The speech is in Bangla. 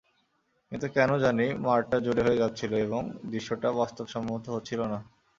কিন্তু কেন জানি মারটা জোরে হয়ে যাচ্ছিল এবং দৃশ্যটা বাস্তবসম্মত হচ্ছিল না।